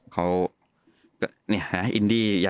เขา